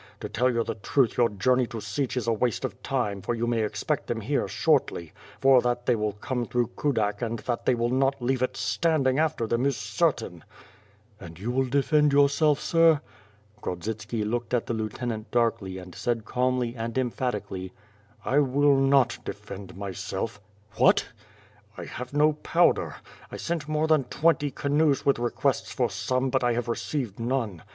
To tell the truth your journey to Sich is waste of time for you may expect them here shortly; for that they will come through Kudak and that they will not leave it standing after them is certain.'' "And will you defend yourself, sir?" Grodzitski looked at the lieutenant darkly and said calmly and emphatically: ^T[ will not defend myself. .," W/fff FIRE AND SWORD. 1^5 "I have no powder. I sent more than twenty canoes with requests for some, but I have received none.